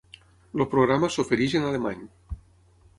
El programa s'ofereix en Alemany.